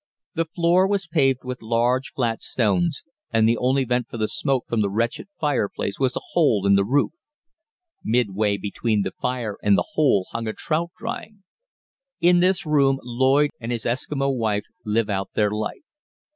The floor was paved with large, flat stones, and the only vent for the smoke from the wretched fireplace was a hole in the roof. Midway between the fire and the hole hung a trout drying. In this room Lloyd and his Eskimo wife live out their life.